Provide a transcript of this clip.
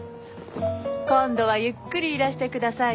今度はゆっくりいらしてくださいね。